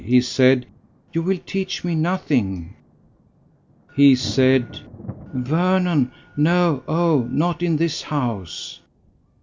He said " "You will teach me nothing." "He said ..." "Vernon, no! oh! not in this house!"